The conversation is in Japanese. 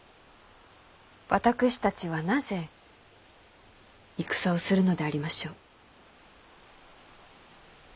私たちはなぜ戦をするのでありましょう？